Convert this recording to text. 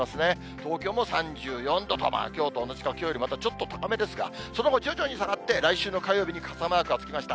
東京も３４度と、きょうと同じか、きょうよりまたちょっと高めですが、その後、徐々に下がって、来週の火曜日に傘マークがつきました。